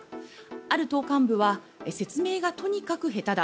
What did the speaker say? ある党幹部は説明がとにかく下手だ。